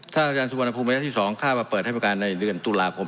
ทหารอาจารย์สุวรรณภูมิเมืองประเทศที่๒ค่าประเปิดให้เป็นการในเดือนตุลาคม๑๙๖๕